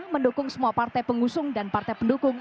mendukung semua partai pengusung dan partai pendukung